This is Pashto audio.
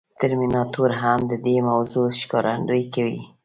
ترمیناتور هم د دې موضوع ښکارندويي کوي.